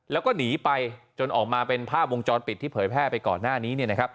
แล้วก็หนีไปจนออกมาเป็นภาพวงจรปิดที่เผยแพร่ไปก่อนหน้านี้